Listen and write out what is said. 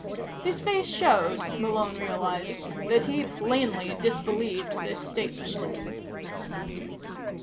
His face showed, Malone realized, that he plainly disbelieved this statement.